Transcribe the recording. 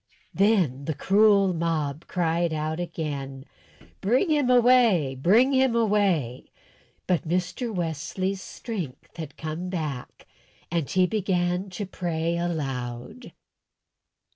Then the cruel mob cried out again: "Bring him away! Bring him away!" But Mr. Wesley's strength had come back, and he began to pray aloud.